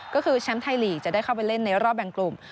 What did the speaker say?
ก็คือแชมป์ไทยลีกจะได้เข้าไปเล่นในรอบแบ่งกลุ่ม